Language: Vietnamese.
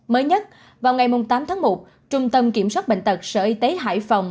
mới nhất vào ngày tám tháng một trung tâm kiểm soát bệnh tật sở y tế hải phòng